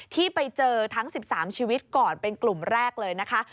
ที่ไปเจอทั้ง๑๓ชีวิตก่อนเป็นกลุ่มแรกเลยนะคะ